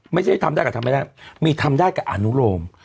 ไม่ใช่ทำได้กับทำไม่ได้มีทำได้กับอนุโรม